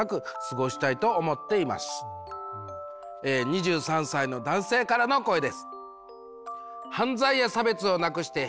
２３歳の男性からの声です。